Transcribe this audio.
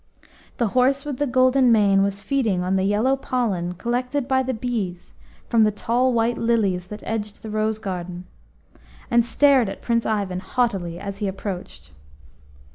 The horse with the golden mane was feeding on the yellow pollen collected by the bees from the tall white lilies that edged the rose garden, and stared at Prince Ivan haughtily as he approached.